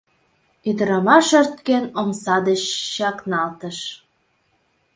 Ӱдырамаш, ӧрткен, омса деч чакналтыш.